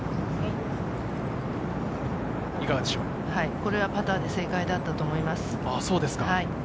これはパターで正解だったと思います。